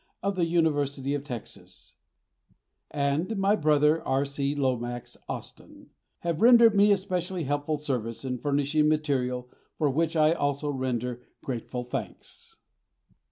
of the University of Texas; and my brother, R.C. Lomax, Austin; have rendered me especially helpful service in furnishing material, for which I also render grateful thanks.